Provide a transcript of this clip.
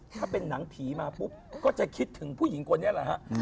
ถ้าเป็นหนังผีมาปุ๊บก็จะคิดถึงผู้หญิงคนนี้แหละฮะ